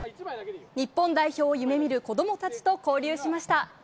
日本代表を夢みる子どもたちと交流しました。